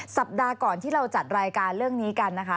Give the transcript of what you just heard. สัปดาห์ก่อนที่เราจัดรายการเรื่องนี้กันนะคะ